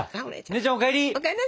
姉ちゃんお帰り！